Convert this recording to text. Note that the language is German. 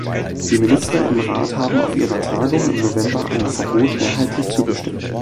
Die Minister im Rat haben auf ihrer Tagung im November einem Verbot mehrheitlich zugestimmt.